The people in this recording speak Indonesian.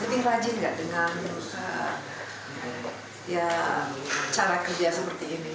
lebih rajin tidak dengan cara kerja seperti ini